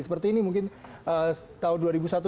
seperti ini mungkin tahun dua ribu satu dua ribu empat